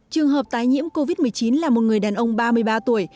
trường hợp tái nhiễm covid một mươi chín là một người đàn ông ba mươi ba tuổi